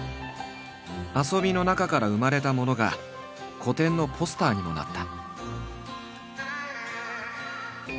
遊びの中から生まれたものが個展のポスターにもなった。